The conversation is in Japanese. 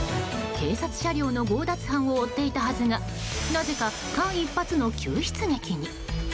警察車両の強奪犯を追っていたはずがなぜか、間一髪の救出劇に。